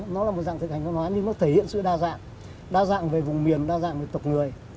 nó là một dạng thực hành văn hóa nhưng nó thể hiện sự đa dạng đa dạng về vùng miền đa dạng về tộc người